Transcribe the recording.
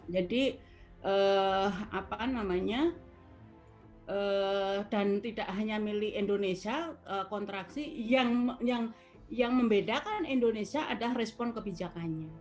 jadi apa namanya dan tidak hanya milih indonesia kontraksi yang membedakan indonesia ada respon kebijakannya